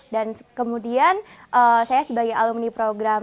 dan kemudian saya sebagai alumni program